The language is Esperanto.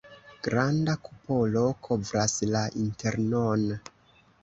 Granda kupolo kovras la internon.